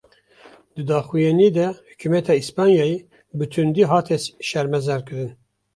Di daxuyaniyê de hukûmeta Îspanyayê, bi tundî hate şermezarkirin